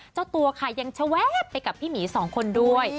เจ้าตัวยังชะแวกะไปกับพี่หมี๒คนด้วย